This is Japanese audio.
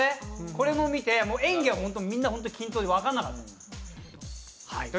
これも見て、演技はみんな均等で分かんなかったです。